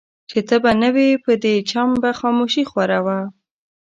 چي ته به نه وې په دې چم به خاموشي خوره وه